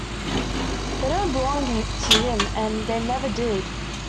They don't belong to him, and they never did.